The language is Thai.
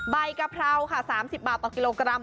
กะเพราค่ะ๓๐บาทต่อกิโลกรัม